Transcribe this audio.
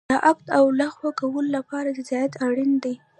د عقد او لغوه کولو لپاره رضایت اړین دی.